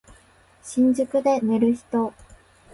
新宿で寝る人